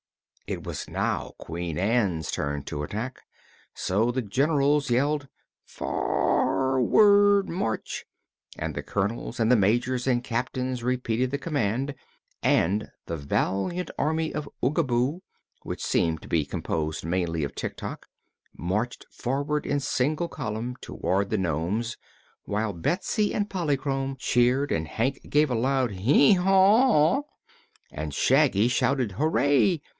It was now Queen Ann's turn to attack, so the Generals yelled "For ward march!" and the Colonels and Majors and Captains repeated the command and the valiant Army of Oogaboo, which seemed to be composed mainly of Tik Tok, marched forward in single column toward the nomes, while Betsy and Polychrome cheered and Hank gave a loud "Hee haw!" and Shaggy shouted "Hooray!"